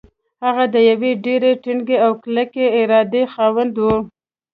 هغه د يوې ډېرې ټينګې او کلکې ارادې خاوند و.